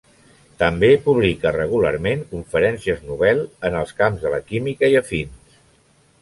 També publica regularment conferències Nobel en els camps de la química i afins.